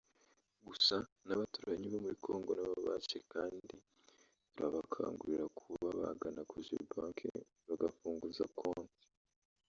gusa n’abaturanyi bo muri Congo nabo baje kandi turabakangurira kuba bagana Cogebanque bagafunguza konti